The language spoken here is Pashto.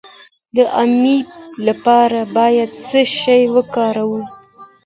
د امیب لپاره باید څه شی وکاروم؟